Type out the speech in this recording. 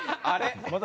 あれ？